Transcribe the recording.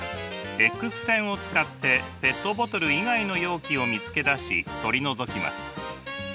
Ｘ線を使ってペットボトル以外の容器を見つけ出し取り除きます。